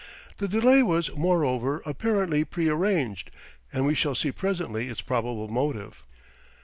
The delay was, moreover, apparently prearranged; and we shall see presently its probable motive.